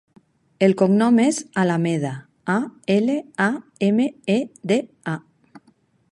El cognom és Alameda: a, ela, a, ema, e, de, a.